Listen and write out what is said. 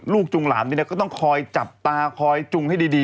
จุงหลานก็ต้องคอยจับตาคอยจุงให้ดี